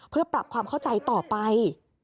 เพื่อปรับความเข้าใจต่อไป